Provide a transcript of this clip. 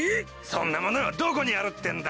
そんなものどこにあるってんだ！